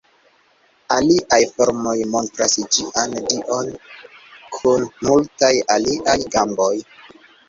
Aliaj formoj montras ĝian dion kun multaj aliaj gamboj.